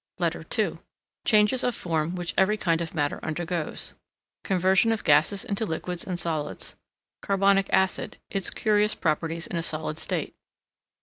LETTER II Changes of Form which every kind of Matter undergoes. Conversion of Gases into Liquids and Solids. Carbonic Acid its curious properties in a solid state.